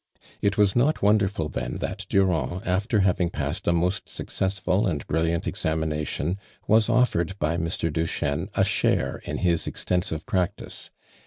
It was not won<lerful then that Durand, after having pusswl a most successful and brilliant examination, was oll'ered by Mr. Duchesne a share in his extensive practise.